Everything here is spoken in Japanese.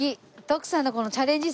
徳さんのこのチャレンジ